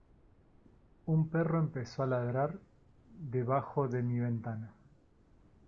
un perro comenzó a ladrar debajo de mi ventana